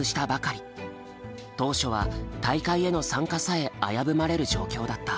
当初は大会への参加さえ危ぶまれる状況だった。